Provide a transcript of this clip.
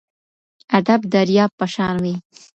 ادب درياب په شان وي.